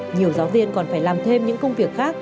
nhiều giáo viên còn phải làm thêm những công việc khác